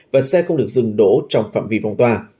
và xe không được dừng đổ trong phạm vi phong tỏa